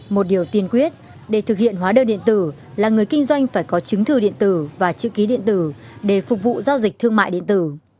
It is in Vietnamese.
một điều tiên quyết để thực hiện hóa đơn điện tử là người kinh doanh phải có chứng thư điện tử và chữ ký điện tử để phục vụ giao dịch thương mại điện tử